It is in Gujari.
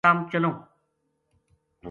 تم چلوں ‘‘